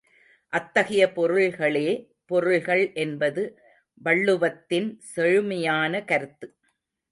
அத்தகைய பொருள்களே பொருள்கள் என்பது வள்ளுவத்தின் செழுமையான கருத்து.